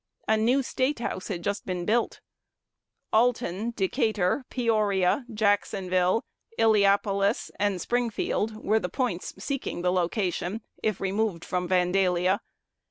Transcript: A new state house had just been built. Alton, Decatur, Peoria, Jacksonville, Illiapolis, and Springfield were the points seeking the location, if removed from Vandalia.